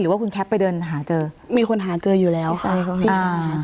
ว่าคุณแคปไปเดินหาเจอมีคนหาเจออยู่แล้วค่ะอ่า